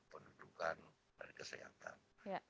penundukan dan kesehatan